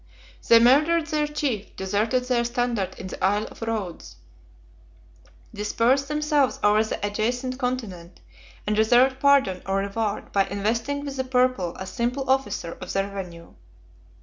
11 They murdered their chief, deserted their standard in the Isle of Rhodes, dispersed themselves over the adjacent continent, and deserved pardon or reward by investing with the purple a simple officer of the revenue.